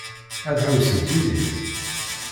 Ad ḥewwsent yid-i?